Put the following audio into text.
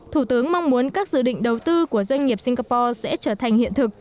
thủ tướng mong muốn các dự định đầu tư của doanh nghiệp singapore sẽ trở thành hiện thực